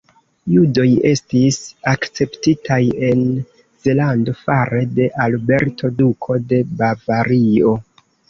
Judoj estis akceptitaj en Zelando fare de Alberto, Duko de Bavario.